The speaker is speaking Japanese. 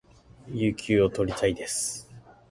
有給を取りたいです